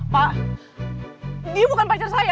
pak dia bukan pacar saya